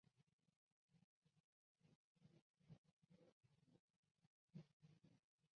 建成后的四栋楼成为了恢复高考后入学学生的男生宿舍。